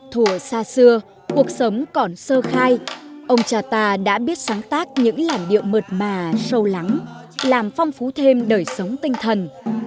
thủa xa xưa cuộc sống còn sơ khai ông cha ta đã biết sáng tác những làn điệu mượt mà sâu lắng làm phong phú thêm đời sống tinh thần